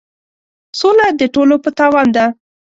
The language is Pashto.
سوله د ټولو په تاوان ده.